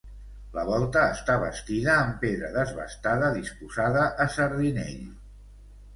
La volta està bastida en pedra desbastada disposada a sardinell.